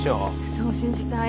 そう信じたい。